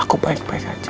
aku baik baik aja